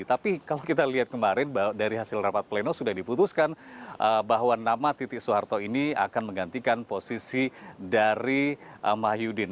tapi kalau kita lihat kemarin dari hasil rapat pleno sudah diputuskan bahwa nama titi soeharto ini akan menggantikan posisi dari mah yudin